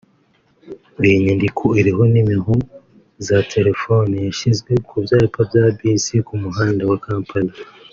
Iyi nyandiko iriho numero za telefone yashyizwe ku byapa bya bisi ku muhanda wa Kampala